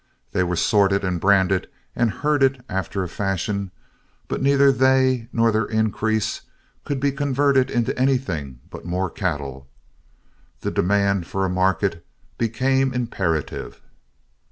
They were sorted and branded and herded after a fashion, but neither they nor their increase could be converted into anything but more cattle. The demand for a market became imperative."